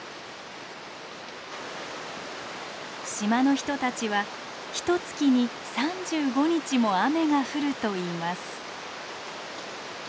島の人たちは「ひとつきに３５日も雨が降る」といいます。